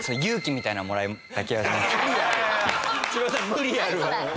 無理あるわ。